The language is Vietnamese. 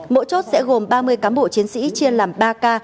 mỗi chốt sẽ gồm ba mươi cám bộ chiến sĩ chia làm ba ca